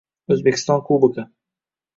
O‘zbekiston Kubogi